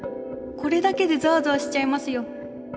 これだけでザワザワしちゃいますよ。